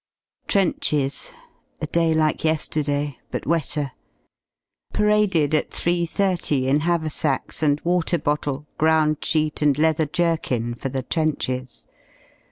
Trenches. A day like ye^erday, but wetter. Paraded at 3.30 in haversacks and water bottle, groundsheet and leather jerkin for the trenches.